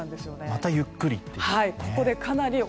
またゆっくりと？